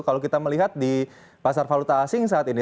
kalau kita melihat di pasar valuta asing saat ini